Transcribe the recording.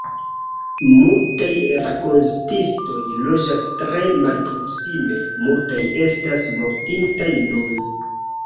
Multaj rakontistoj loĝas tre malproksime, multaj estas mortintaj nun.